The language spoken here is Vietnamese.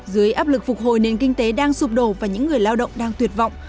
dưới áp lực phục hồi nền kinh tế đang sụp đổ và những người lao động đang tuyệt vọng